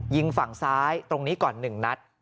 ยิงฝั่งซ้ายตรงนี้ก่อน๑นัด